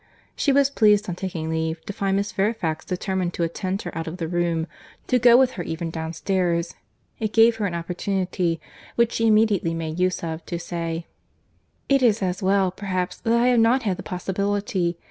She was pleased, on taking leave, to find Miss Fairfax determined to attend her out of the room, to go with her even downstairs; it gave her an opportunity which she immediately made use of, to say, "It is as well, perhaps, that I have not had the possibility.